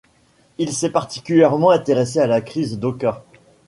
Il s’est particulièrement intéressé à la crise d’Oka.